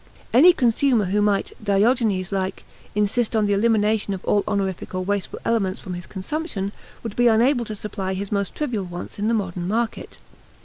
Any consumer who might, Diogenes like, insist on the elimination of all honorific or wasteful elements from his consumption, would be unable to supply his most trivial wants in the modern market.